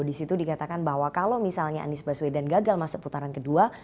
di situ dikatakan bahwa kalau misalnya anies baswedan gagal masuk putaran kedua